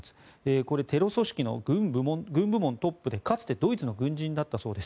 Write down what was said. これはテロ組織の軍部門トップでかつてドイツの軍人だったそうです。